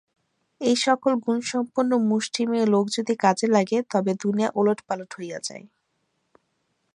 এই সকল গুণসম্পন্ন মুষ্টিমেয় লোক যদি কাজে লাগে, তবে দুনিয়া ওলটপালট হইয়া যায়।